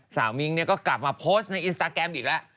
มิ้งก็กลับมาโพสต์ในอินสตาแกรมอีกแล้ว